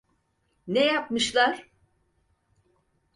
Ne yapmışlar?